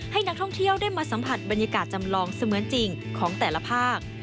ให้นักท่องเที่ยวได้มาสัมผัสบรรยากาศจำลองเสมือนจริงของแต่ละภาค